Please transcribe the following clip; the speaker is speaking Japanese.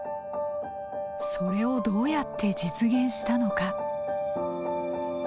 それをどうやって実現したのか。